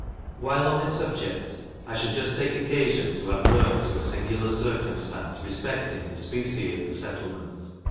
While on this subject, I shall just take occasion to advert to a singular circumstance respecting the specie of the settlement.